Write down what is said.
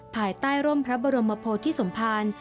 ภายใต้ร่มพระบรมโพธิสมภาร